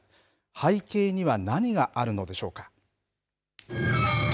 背景には何があるのでしょうか。